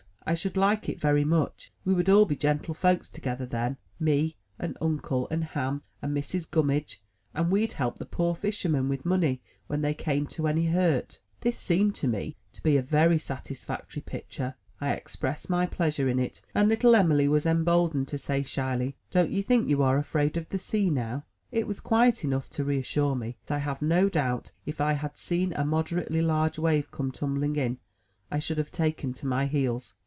"I should like it very /^^^ much. We would all be gentle folks together, then, (^^^^ i^e, and uncle, and Ham, and Mrs. Gimimidge, and^^T.'/JI we'd help the poor fisher men with money when they ^^^\^^ come to any hurt." This seemed to me to ^^^^ be a very satisfactory pict ure. I expressed my pleasure in it, and little Em'ly was em boldened to say, shyly: "Don't you think you are afraid of the sea, now?" It was quiet enough to reassure me, but I have no doubt if I had seen a moderately large wave come tumbling in, I should have taken to my heels.